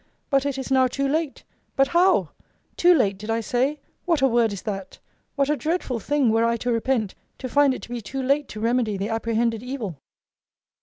But it is now too late! But how! Too late, did I say? What a word is that! What a dreadful thing, were I to repent, to find it to be too late to remedy the apprehended evil!